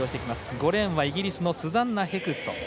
５レーンはイギリススザンナ・ヘクスト。